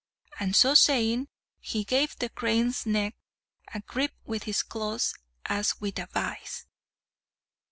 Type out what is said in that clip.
And so saying, he gave the crane's neck a grip with his claws, as with a vice.